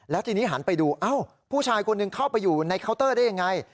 แล้วทีนี้หันไปดูเอ้าผู้ชายคนหนึ่งเข้าไปอยู่ในเคาน์เตอร์ได้ยังไง